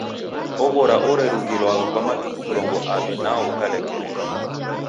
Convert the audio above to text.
Oghora orerughilwa kwa matuku mrongo aw'i nwao ukalekerelwa.